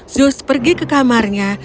zeus pergi ke kamarnya